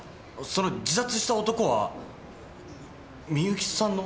その自殺した男はみゆきさんの。